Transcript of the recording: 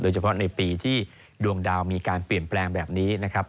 เฉพาะในปีที่ดวงดาวมีการเปลี่ยนแปลงแบบนี้นะครับ